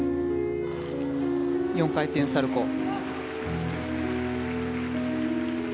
４回転サルコウ。